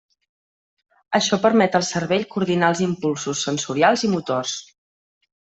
Això permet al cervell coordinar els impulsos sensorials i motors.